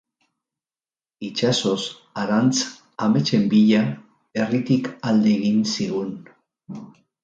Itsasoz harantz, ametsen bila, herritik alde egin zigun.